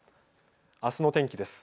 あすの天気です。